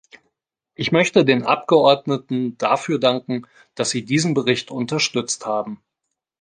Ich möchte den Abgeordneten dafür danken, dass sie diesen Bericht unterstützt haben.